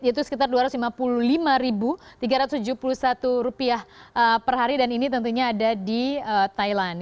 yaitu sekitar rp dua ratus lima puluh lima tiga ratus tujuh puluh satu per hari dan ini tentunya ada di thailand